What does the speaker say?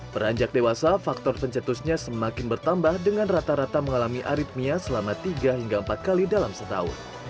beranjak dewasa faktor pencetusnya semakin bertambah dengan rata rata mengalami aritmia selama tiga hingga empat kali dalam setahun